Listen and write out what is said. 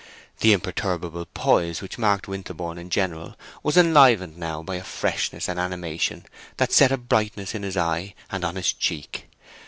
The imperturbable poise which marked Winterborne in general was enlivened now by a freshness and animation that set a brightness in his eye and on his cheek.